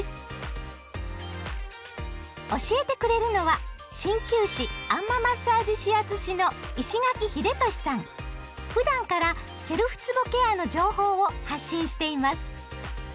教えてくれるのは鍼灸師あん摩マッサージ指圧師のふだんからセルフつぼケアの情報を発信しています。